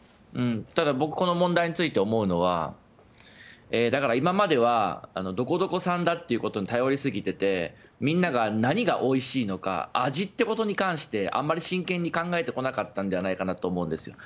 ただ僕、この問題について思うのは今まではどこどこ産だということに頼りすぎててみんなが何がおいしいのか味ということに対してあんまり真剣に考えてこなかったのではないかと思うんです。